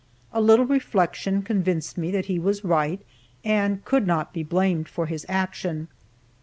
A little reflection convinced me that he was right, and could not be blamed for his action.